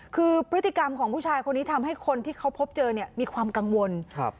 คือพฤติกรรมของผู้ชายคนนี้ทำให้คนที่เขาพบเจอเนี่ยมีความกังวลครับ